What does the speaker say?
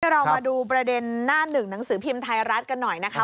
เรามาดูประเด็นหน้าหนึ่งหนังสือพิมพ์ไทยรัฐกันหน่อยนะคะ